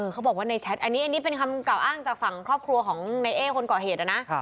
เขาบอกว่าในแชทอันนี้เป็นคำกล่าวอ้างจากฝั่งครอบครัวของในเอ๊คนก่อเหตุนะ